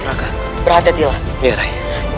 hebat setiap mirai